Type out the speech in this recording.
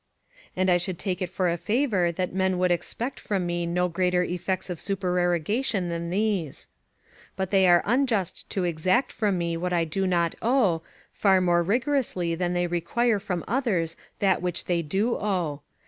And I should take it for a favour that men would expect from me no greater effects of supererogation than these. But they are unjust to exact from me what I do not owe, far more rigorously than they require from others that which they do owe.